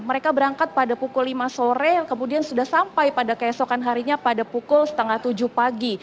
mereka berangkat pada pukul lima sore kemudian sudah sampai pada keesokan harinya pada pukul setengah tujuh pagi